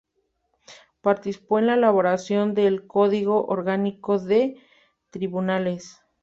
Participó en la elaboración del Código Orgánico de Tribunales.